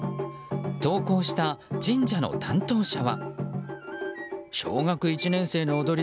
投稿した神社の担当者は。